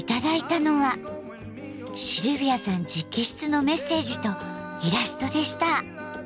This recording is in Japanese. シルビアさん直筆のメッセージとイラストでした。